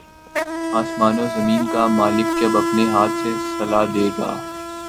آسمان و زمین کا مالک جب اپنے ہاتھ سے صلہ دے گا